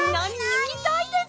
ききたいです！